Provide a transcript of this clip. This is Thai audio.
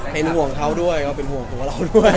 เป็นห่วงเขาด้วยเขาเป็นห่วงตัวเราด้วย